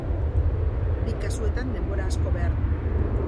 Bi kasuetan denbora asko behar da.